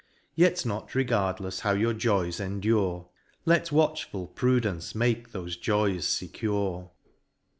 Yet not regardlefs how your joys endure, Let watchful Prudence make thofe joys fecure.